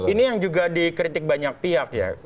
ini yang juga dikritik banyak pihak ya